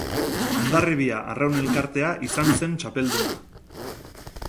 Hondarribia Arraun Elkartea izan zen txapelduna.